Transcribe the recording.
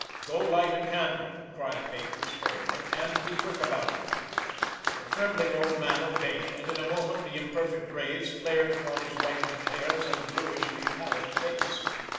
"Go light a candle," cried Baker, sternly, "and be quick about it." The trembling old man obeyed, and in a moment the imperfect rays flared upon his whitening hairs and bluishly pallid face.